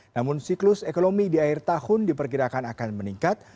namun siklus ekonomi di akhir tahun diperkirakan akan meningkat